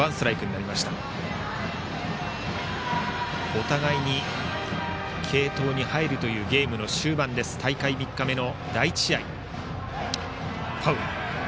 お互いに継投に入るゲームの終盤大会３日目の第１試合。